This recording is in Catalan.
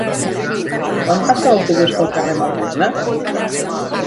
Quan passa l'autobús pel carrer Melbourne?